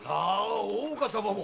大岡様も。